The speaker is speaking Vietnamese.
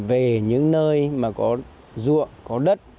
về những nơi mà có ruộng có đất